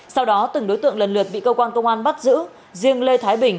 sau đó từng đối tượng lần lượt bị cơ quan công an bắt giữ riêng lê thái bình